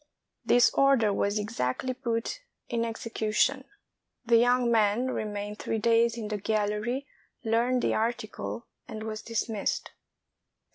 This order was exactly put in execution. The young man remained three days in the gallery, learned the article, and was dismissed.